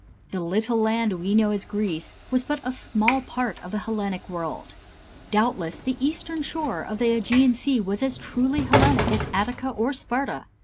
The little land we know as Greece was but a small part of the Hellenic world. Doubtless the eastern shore of the Ægean Sea was as truly Hellenic as Attica or Sparta.